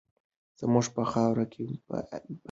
زموږ په خاوره کې به امنیت وي.